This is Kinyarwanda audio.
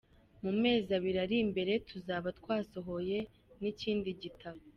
Mu mezi abiri ari imbere tuzaba twasohoye n’ikindi gitabo.